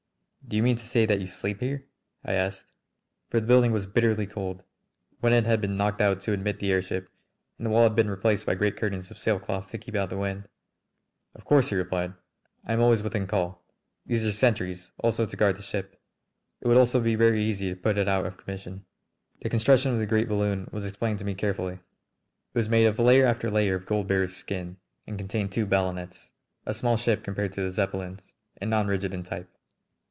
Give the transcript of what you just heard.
"Do you mean to say that you sleep here?" I asked. For the building was bitterly cold; one end had been knocked out to admit the airship, and the wall had been replaced by great curtains of sailcloth to keep out the wind. "Of course," he replied. "I am always within call. There are sentries also to guard the ship. It would be very easy to put it out of commission." The construction of the great balloon was explained to me carefully. It was made of layer after layer of gold beater's skin and contained two ballonets a small ship compared to the Zeppelins, and non rigid in type.